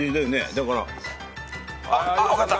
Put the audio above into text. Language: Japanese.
だからあっ分かった。